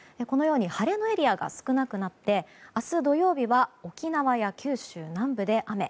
晴れのエリアが少なくなって、明日土曜日は沖縄や九州南部で雨。